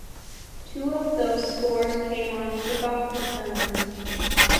Two of those scores came on kickoff returns.